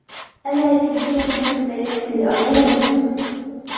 أنا كبير بما يكفي لأقود.